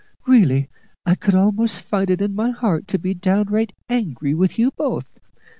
Really, I could almost find it in my heart to be downright angry with you both.